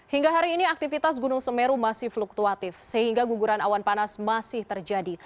hingga hari ini aktivitas gunung semeru masih fluktuatif sehingga guguran awan panas masih terjadi